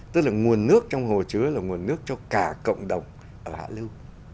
tức là nguồn nước trong hồ chứa là nguồn nước cho cả cộng đồng ở hạ lưu